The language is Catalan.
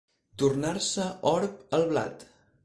Tornar-se orb el blat.